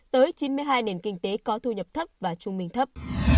tới chín mươi hai nền kinh tế có thu nhập thấp và trung bình thấp